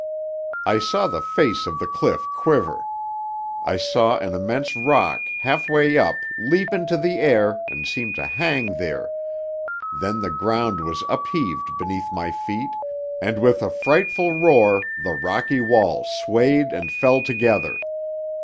I saw the face of the cliff quiver; I saw an immense rock, half way up, leap into the air and seem to hang there; then the ground was upheaved beneath my feet, and with a frightful roar the rocky walls swayed and fell together.